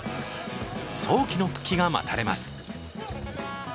早期の復帰が待たれます。